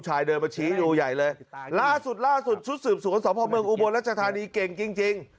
ชุดสืบศูนย์สอบภาพเมืองอูบลรัชฐานีเก่งจริง